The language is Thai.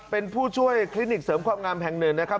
เป็นผู้ช่วยคลินิกเสริมความงามแห่งหนึ่งนะครับ